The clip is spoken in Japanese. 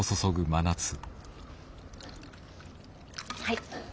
はい。